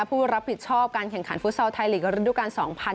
ผู้รับผิดชอบการแข่งขันฟุตซอลไทยลีกระดูกาล๒๐๑๖